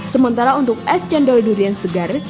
sementara untuk es cendol durian segar